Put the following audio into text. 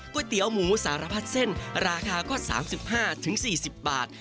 เตี๋ยวหมูสารพัดเส้นราคาก็๓๕๔๐บาท